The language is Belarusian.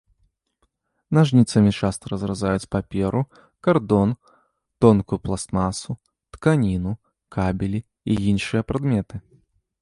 Нажніцамі часта разразаюць паперу, кардон, тонкую пластмасу, тканіну, кабелі і іншыя прадметы.